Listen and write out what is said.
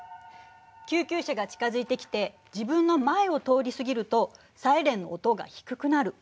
救急車が近づいてきて自分の前を通り過ぎるとサイレンの音が低くなる。